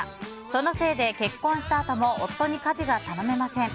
そのせいで、結婚したあとも夫に家事が頼めません。